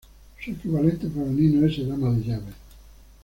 Su equivalente femenino es el ama de llaves.